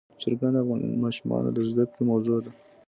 چرګان د افغان ماشومانو د زده کړې موضوع ده.